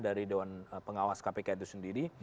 dari dewan pengawas kpk itu sendiri